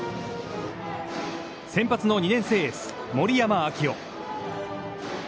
先発の２年生エース森山暁生。